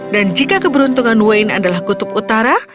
dan jika keberuntungan wayne adalah kutub utara